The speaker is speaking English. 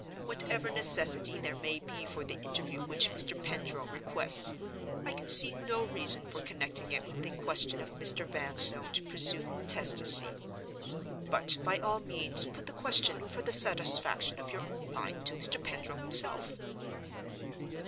Whatever necessity there may be for the interview which Mr. Pendril requests, I can see no reason for connecting it with the question of Mr. Vanstone's presumed intestacy. But, by all means, put the question, for the satisfaction of your own mind, to Mr. Pendril himself."